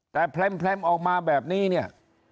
แต่แพร่มออกมาแบบนี้